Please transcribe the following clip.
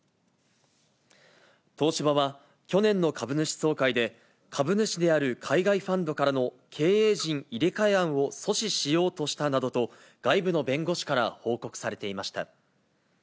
東芝は、去年の株主総会で、株主である海外ファンドからの経営陣入れ替え案を阻止しようとしたなどと、外部の弁護士から報告されていました。